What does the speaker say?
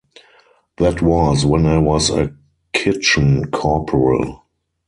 That was when I was a kitchen corporal.